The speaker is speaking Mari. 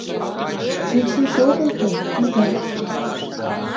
Чӱчӱч огыл гын, изат.